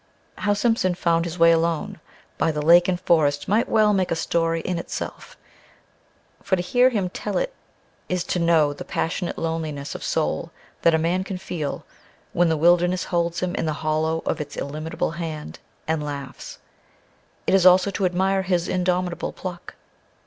How Simpson found his way alone by the lake and forest might well make a story in itself, for to hear him tell it is to know the passionate loneliness of soul that a man can feel when the Wilderness holds him in the hollow of its illimitable hand and laughs. It is also to admire his indomitable pluck.